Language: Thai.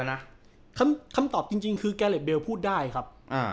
คำคำตอบจริงจริงคือแกเร็ดเบลว์พูดได้ครับ